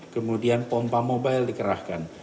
kemudian pompa mobile dikerahkan